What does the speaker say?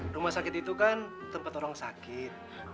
rumah sakit itu kan tempat orang sakit